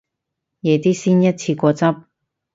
夜啲先一次過執